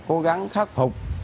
cố gắng khắc phục